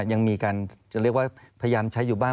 ยังมีการจะเรียกว่าพยายามใช้อยู่บ้าง